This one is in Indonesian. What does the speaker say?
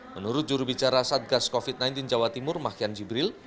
menurut jurubicara saat gas covid sembilan belas jawa timur mahkian jibril